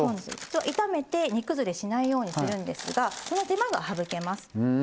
普通は炒めて煮崩れしないようにするんですがその手間が省けます。